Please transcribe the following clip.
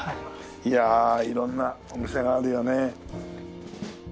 いやあ色んなお店があるよね。